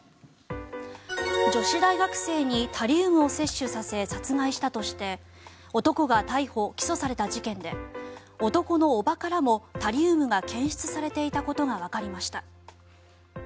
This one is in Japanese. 女子大学生にタリウムを摂取させ殺害したとして男が逮捕・起訴された事件で男の叔母からもタリウムが検出されていたことがわかりました。